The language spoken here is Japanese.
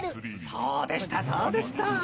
［そうでしたそうでした］